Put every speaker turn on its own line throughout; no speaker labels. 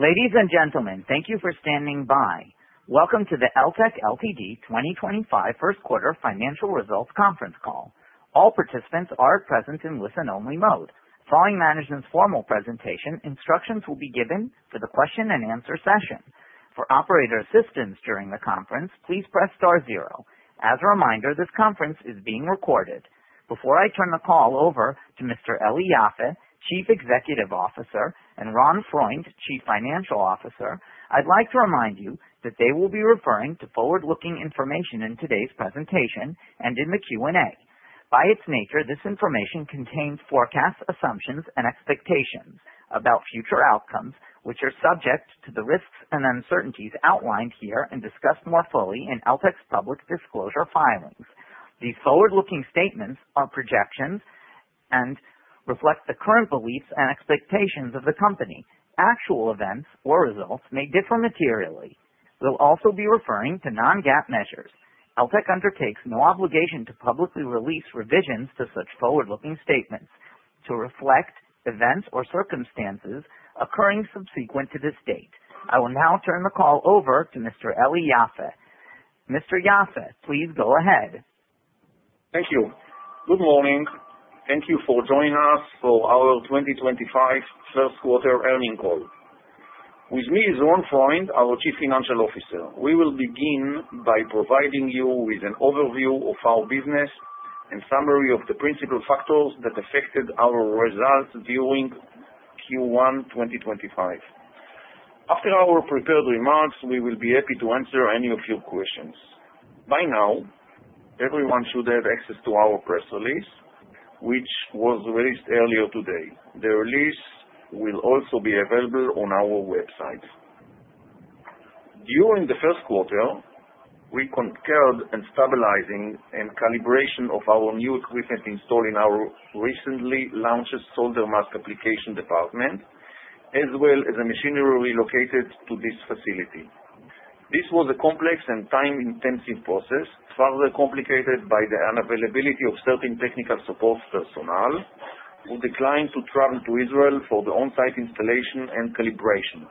Ladies and gentlemen, thank you for standing by. Welcome to the Eltek Ltd 2025 First Quarter Financial Results Conference Call. All participants are present in listen-only mode. Following management's formal presentation, instructions will be given for the question-and-answer session. For operator assistance during the conference, please press star zero. As a reminder, this conference is being recorded. Before I turn the call over to Mr. Eli Yaffe, Chief Executive Officer, and Ron Freund, Chief Financial Officer, I'd like to remind you that they will be referring to forward-looking information in today's presentation and in the Q&A. By its nature, this information contains forecasts, assumptions, and expectations about future outcomes, which are subject to the risks and uncertainties outlined here and discussed more fully in Eltek's public disclosure filings. These forward-looking statements are projections and reflect the current beliefs and expectations of the company. Actual events or results may differ materially. We'll also be referring to non-GAAP measures. Eltek undertakes no obligation to publicly release revisions to such forward-looking statements to reflect events or circumstances occurring subsequent to this date. I will now turn the call over to Mr. Eli Yaffe. Mr. Yaffe, please go ahead.
Thank you. Good morning. Thank you for joining us for our 2025 First Quarter Earning Call. With me is Ron Freund, our Chief Financial Officer. We will begin by providing you with an overview of our business and a summary of the principal factors that affected our results during Q1 2025. After our prepared remarks, we will be happy to answer any of your questions. By now, everyone should have access to our press release, which was released earlier today. The release will also be available on our website. During the first quarter, we concurred on stabilizing and calibrating our new equipment installed in our recently launched solder mask application department, as well as the machinery relocated to this facility. This was a complex and time-intensive process, further complicated by the unavailability of certain technical support personnel who declined to travel to Israel for the on-site installation and calibration.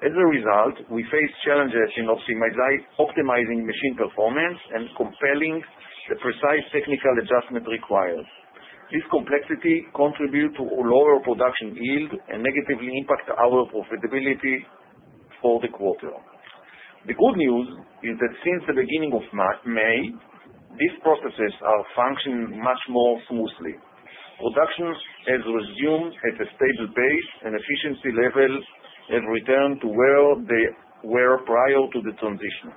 As a result, we faced challenges in optimizing machine performance and compelling the precise technical adjustment required. This complexity contributed to lower production yield and negatively impacted our profitability for the quarter. The good news is that since the beginning of May, these processes are functioning much more smoothly. Production has resumed at a stable pace, and efficiency levels have returned to where they were prior to the transition.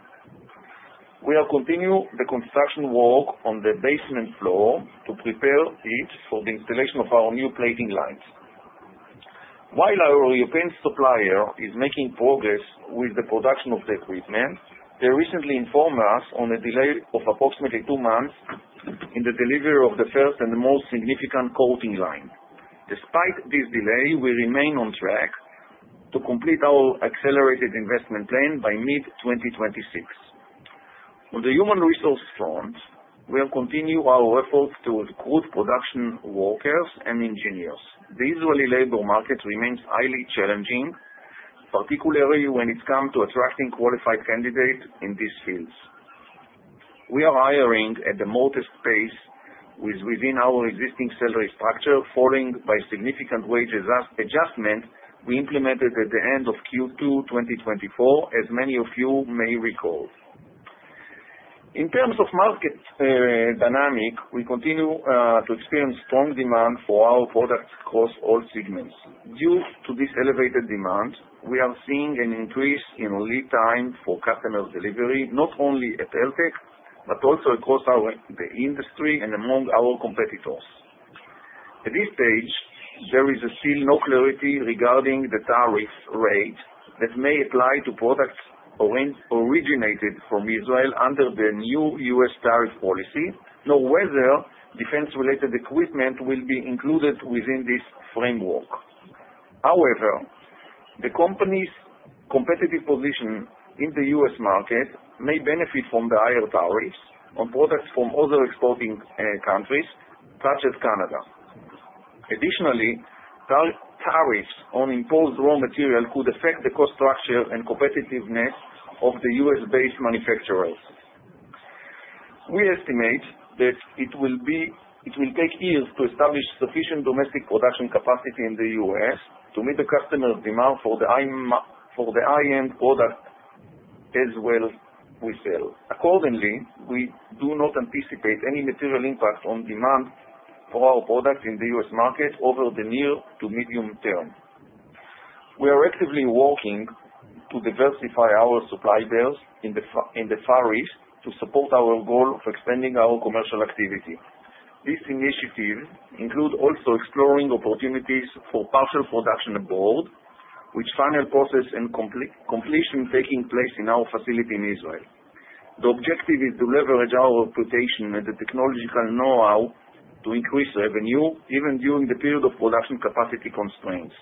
We are continuing the construction work on the basement floor to prepare it for the installation of our new plating lines. While our European supplier is making progress with the production of the equipment, they recently informed us of a delay of approximately two months in the delivery of the first and most significant coating line. Despite this delay, we remain on track to complete our accelerated investment plan by mid-2026. On the human resource front, we will continue our efforts to recruit production workers and engineers. The Israeli labor market remains highly challenging, particularly when it comes to attracting qualified candidates in these fields. We are hiring at a modest pace within our existing salary structure, following significant wage adjustments we implemented at the end of Q2 2024, as many of you may recall. In terms of market dynamics, we continue to experience strong demand for our products across all segments. Due to this elevated demand, we are seeing an increase in lead time for customer delivery, not only at Eltek but also across the industry and among our competitors. At this stage, there is still no clarity regarding the tariff rate that may apply to products originated from Israel under the new US tariff policy, nor whether defense-related equipment will be included within this framework. However, the company's competitive position in the U.S. market may benefit from the higher tariffs on products from other exporting countries, such as Canada. Additionally, tariffs on imposed raw material could affect the cost structure and competitiveness of the U.S.-based manufacturers. We estimate that it will take years to establish sufficient domestic production capacity in the U.S. to meet the customer's demand for the high-end products as well we sell. Accordingly, we do not anticipate any material impact on demand for our products in the U.S. market over the near to medium term. We are actively working to diversify our supply base in the Far East to support our goal of expanding our commercial activity. This initiative includes also exploring opportunities for partial production abroad, with final process and completion taking place in our facility in Israel. The objective is to leverage our reputation and the technological know-how to increase revenue even during the period of production capacity constraints.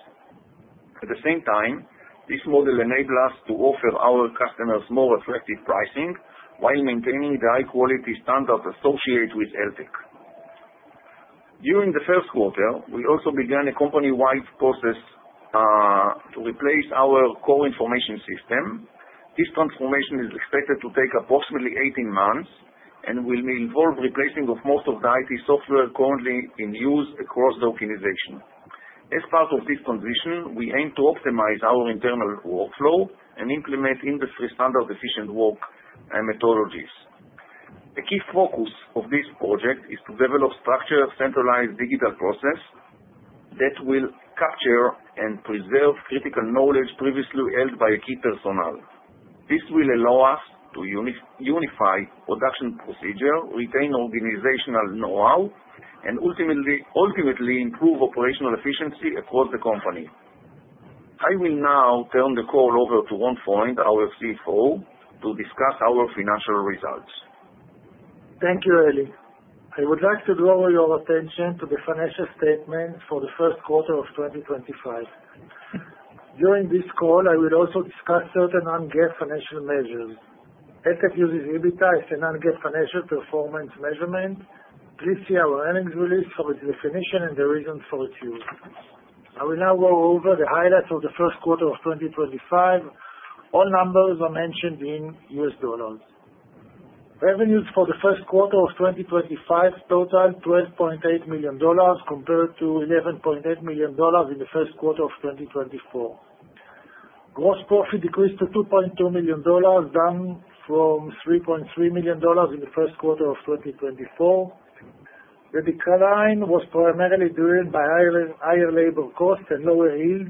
At the same time, this model enables us to offer our customers more attractive pricing while maintaining the high-quality standard associated with Eltek. During the first quarter, we also began a company-wide process to replace our core information system. This transformation is expected to take approximately 18 months and will involve replacing most of the IT software currently in use across the organization. As part of this transition, we aim to optimize our internal workflow and implement industry-standard efficient work methodologies. The key focus of this project is to develop structured, centralized digital processes that will capture and preserve critical knowledge previously held by key personnel. This will allow us to unify production procedures, retain organizational know-how, and ultimately improve operational efficiency across the company. I will now turn the call over to Ron Freund, our CFO, to discuss our financial results.
Thank you, Eli. I would like to draw your attention to the financial statements for the first quarter of 2025. During this call, I will also discuss certain non-GAAP financial measures. Eltek uses EBITDA as a non-GAAP financial performance measurement. Please see our earnings release for its definition and the reasons for its use. I will now go over the highlights of the first quarter of 2025. All numbers are mentioned in US dollars. Revenues for the first quarter of 2025 total $12.8 million compared to $11.8 million in the first quarter of 2024. Gross profit decreased to $2.2 million, down from $3.3 million in the first quarter of 2024. The decline was primarily driven by higher labor costs and lower yields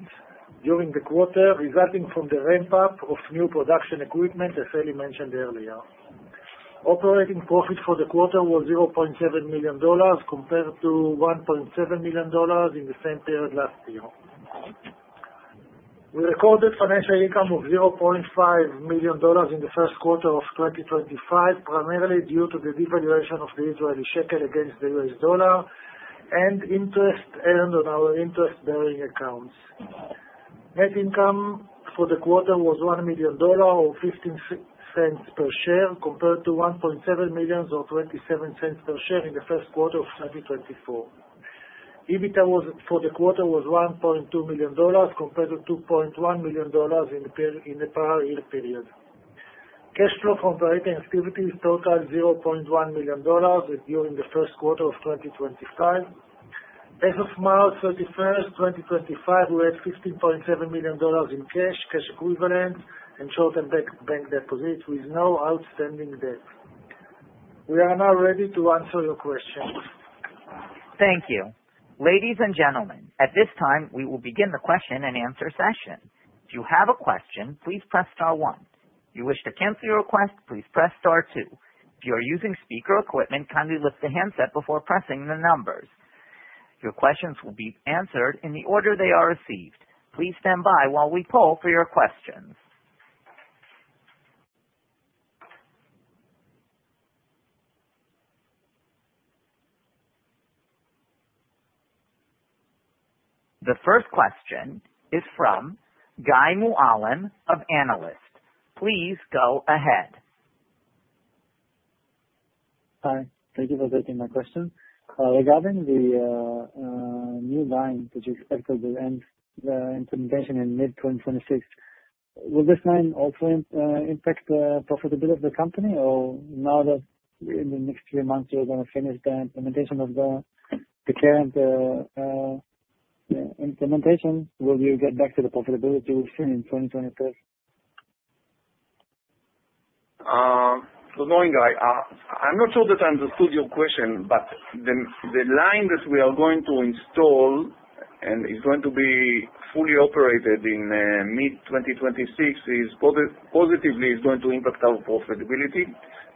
during the quarter, resulting from the ramp-up of new production equipment, as Eli mentioned earlier. Operating profit for the quarter was $0.7 million compared to $1.7 million in the same period last year. We recorded financial income of $0.5 million in the first quarter of 2025, primarily due to the devaluation of the Israeli shekel against the US dollar and interest earned on our interest-bearing accounts. Net income for the quarter was $1 million or $0.15 per share compared to $1.7 million or $0.27 per share in the first quarter of 2024. EBITDA for the quarter was $1.2 million compared to $2.1 million in the prior year period. Cash flow from operating activities totaled $0.1 million during the first quarter of 2025. As of March 31, 2025, we had $15.7 million in cash, cash equivalent, and short-term bank deposits with no outstanding debt. We are now ready to answer your questions.
Thank you. Ladies and gentlemen, at this time, we will begin the question-and-answer session. If you have a question, please press star one. If you wish to cancel your request, please press star two. If you are using speaker equipment, kindly lift the handset before pressing the numbers. Your questions will be answered in the order they are received. Please stand by while we poll for your questions. The first question is from Guy Mualem of Analyst. Please go ahead. Hi. Thank you for taking my question. Regarding the new line that you expected the implementation in mid-2026, will this line also impact the profitability of the company, or now that in the next three months you're going to finish the implementation of the current implementation, will you get back to the profitability we've seen in 2025?
Good morning, Guy. I'm not sure that I understood your question, but the line that we are going to install and is going to be fully operated in mid-2026 positively is going to impact our profitability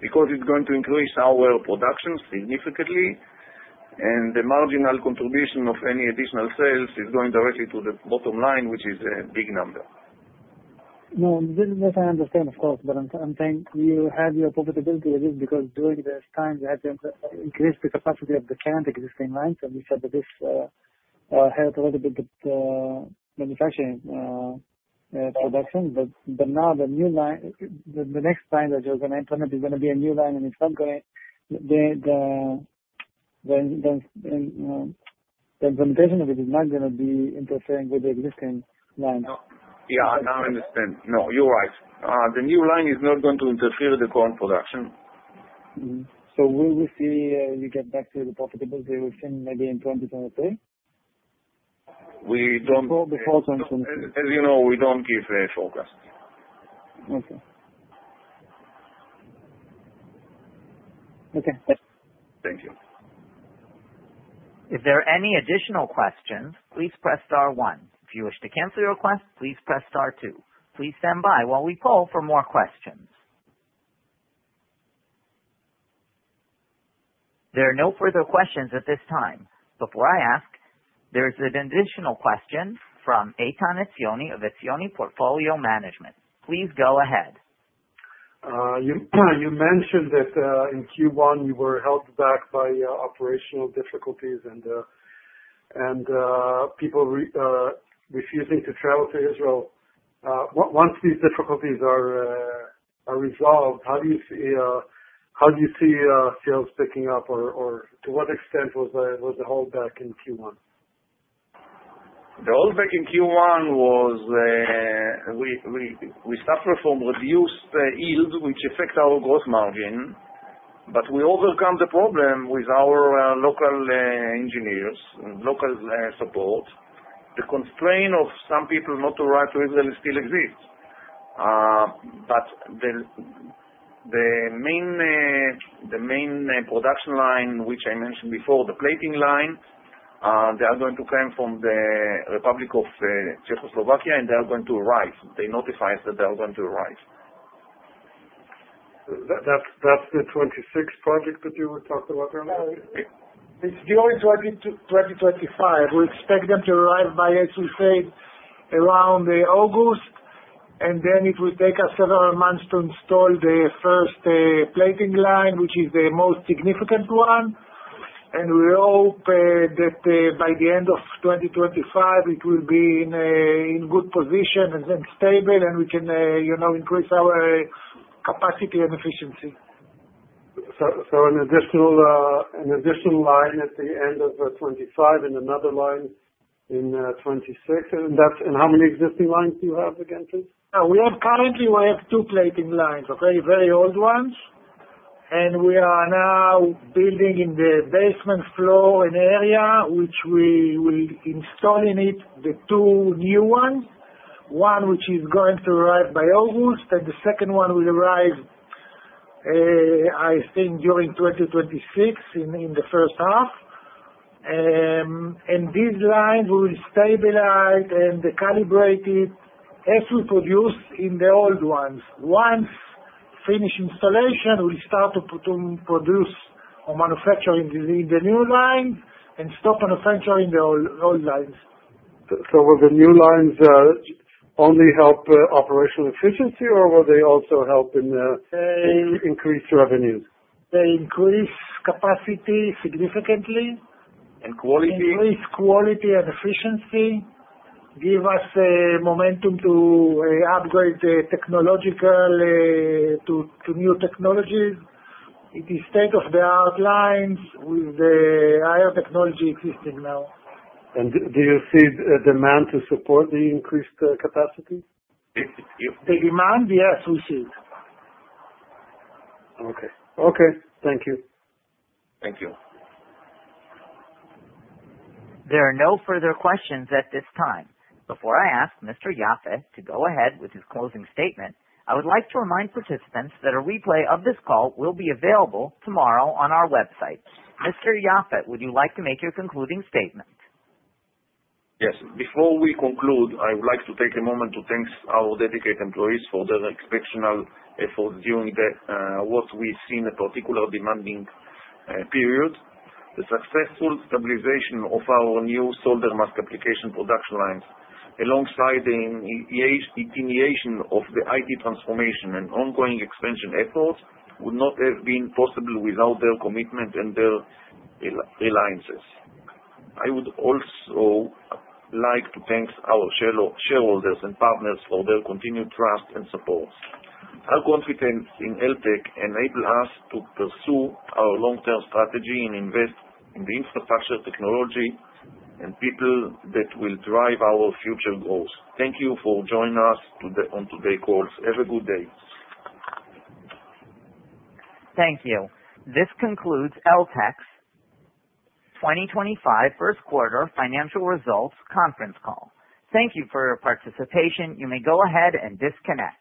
because it's going to increase our production significantly, and the marginal contribution of any additional sales is going directly to the bottom line, which is a big number. No, this is what I understand, of course, but I'm saying you have your profitability with this because during this time you had to increase the capacity of the current existing lines, and you said that this helped a little bit with the manufacturing production. Now the next line that you're going to implement is going to be a new line, and the implementation of it is not going to be interfering with the existing line. Yeah, now I understand. No, you're right. The new line is not going to interfere with the current production. Will we see you get back to the profitability within maybe 2023? We don't. Before 2023? As you know, we don't give a forecast. Okay. Okay. Thank you.
If there are any additional questions, please press star one. If you wish to cancel your request, please press star two. Please stand by while we poll for more questions. There are no further questions at this time. Before I ask, there is an additional question from Eitan Ezioni of Ezioni Portfolio Management. Please go ahead.
You mentioned that in Q1 you were held back by operational difficulties and people refusing to travel to Israel. Once these difficulties are resolved, how do you see sales picking up, or to what extent was the holdback in Q1?
The holdback in Q1 was we suffered from reduced yields, which affected our gross margin, but we overcame the problem with our local engineers and local support. The constraint of some people not to ride to Israel still exists. The main production line, which I mentioned before, the plating line, they are going to come from the Czech Republic, and they are going to arrive. They notified us that they are going to arrive.
That's the 2026 project that you were talking about earlier?
It's due in 2025. We expect them to arrive, as we said, around August, and it will take us several months to install the first plating line, which is the most significant one. We hope that by the end of 2025 it will be in good position and stable, and we can increase our capacity and efficiency.
An additional line at the end of 2025 and another line in 2026. How many existing lines do you have again, please?
We have currently two plating lines, very old ones, and we are now building in the basement floor an area which we will install in it the two new ones, one which is going to arrive by August, and the second one will arrive, I think, during 2026 in the first half. These lines will stabilize and calibrate it as we produce in the old ones. Once finished installation, we'll start to produce or manufacture in the new lines and stop manufacturing the old lines.
Will the new lines only help operational efficiency, or will they also help in increased revenues?
They increase capacity significantly.
And quality?
They increase quality and efficiency, give us momentum to upgrade technology to new technologies. It is state-of-the-art lines with the higher technology existing now.
Do you see demand to support the increased capacity?
The demand, yes, we see it.
Okay. Okay. Thank you.
Thank you.
There are no further questions at this time. Before I ask Mr. Yaffe to go ahead with his closing statement, I would like to remind participants that a replay of this call will be available tomorrow on our website. Mr. Yaffe, would you like to make your concluding statement?
Yes. Before we conclude, I would like to take a moment to thank our dedicated employees for their exceptional efforts during what we see in a particularly demanding period. The successful stabilization of our new solder mask application production lines, alongside the attenuation of the IT transformation and ongoing expansion efforts, would not have been possible without their commitment and their alliances. I would also like to thank our shareholders and partners for their continued trust and support. Our confidence in Eltek enabled us to pursue our long-term strategy and invest in the infrastructure, technology, and people that will drive our future growth. Thank you for joining us on today's call. Have a good day.
Thank you. This concludes Eltek's 2025 First Quarter Financial Results Conference Call. Thank you for your participation. You may go ahead and disconnect.